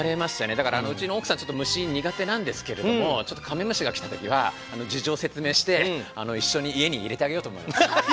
だからうちの奥さんちょっと虫苦手なんですけれどもちょっとカメムシが来た時は事情を説明して一緒に家に入れてあげようと思います。